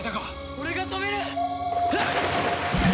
俺が止める！